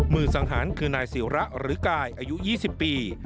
สังหารคือนายศิระหรือกายอายุ๒๐ปี